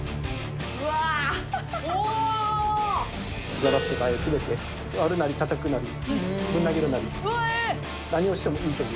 ガラスとか全て割るなりたたくなりぶん投げるなり何をしてもいいという。